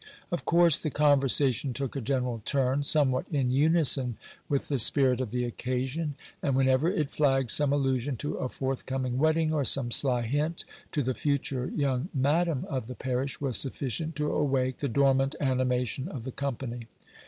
Of course the conversation took a general turn, somewhat in unison with the spirit of the occasion; and whenever it flagged, some allusion to a forthcoming wedding, or some sly hint to the future young Madam of the parish, was sufficient to awake the dormant animation of the company.